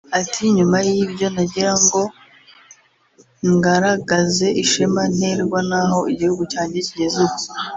Ati “ Nyuma y'ibyo nagirango ngaragaze ishema nterwa naho igihugu cyanjye kigeze ubu